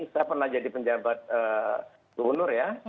saya pernah jadi penjabat gubernur ya